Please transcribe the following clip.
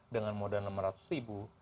dengan modal enam ratus ribu